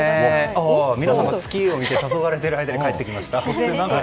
皆さんが月を見てたそがれている間に帰ってきました。